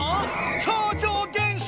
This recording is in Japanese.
超常現象！